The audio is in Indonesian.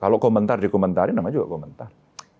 kalau komentar dikomentari namanya juga komentar